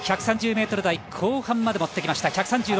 １３０ｍ台後半まで持ってきました。